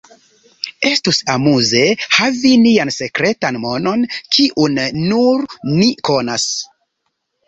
Estus amuze havi nian sekretan monon kiun nur ni konas.